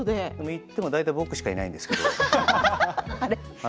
行っても僕しかいないんですけれどもね。